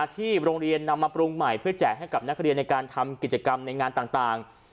ที่โรงเรียนนำมาปรุงใหม่เพื่อแจกให้กับนักเรียนในการทำกิจกรรมในงานต่าง